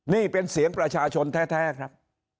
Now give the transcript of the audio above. นี่เป็นเสียงประชาชนแท้ครับ